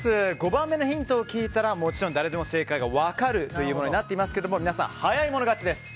５番目のヒントを聞いたらもちろん誰でも正解が分かるというものになっていますが皆さん、早い者勝ちです。